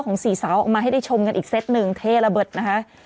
สี่สาวออกมาให้ได้ชมกันอีกเซตหนึ่งเทระเบิดนะคะ